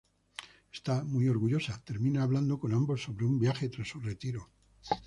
Esta, muy orgullosa, termina hablando con ambos sobre un viaje tras su retiro.